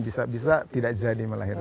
bisa bisa tidak jadi melahirkan